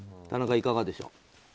田中、いかがでしょう。